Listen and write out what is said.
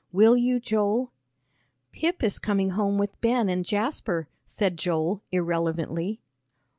"Will you, Joel?" "Pip is coming home with Ben and Jasper," said Joel, irrelevantly.